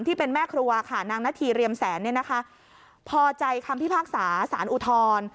ที่เป็นแม่ครัวค่ะนางนาธีเรียมแสนเนี่ยนะคะพอใจคำพิพากษาสารอุทธร